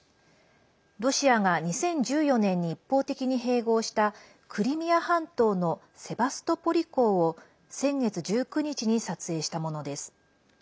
ロシアが２０１４年に一方的に併合したクリミア半島のセバストポリ港を先月１９日に撮影したものです。